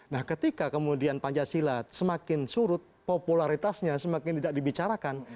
nah ketika kemudian pancasila semakin surut popularitasnya semakin tidak dibicarakan